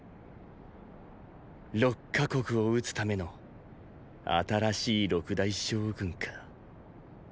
六か国を討つための新しい六大将軍か。